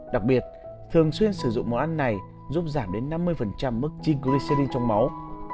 đặc biệt thường xuyên sử dụng món ăn này giúp giảm đến năm mươi mức triglycerin trong máu